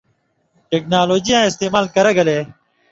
ٹیکنالوجی یاں استعمال کرہ گلے